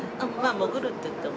潜るっていっても。